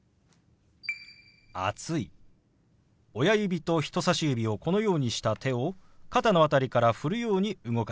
親指と人さし指をこのようにした手を肩の辺りから振るように動かします。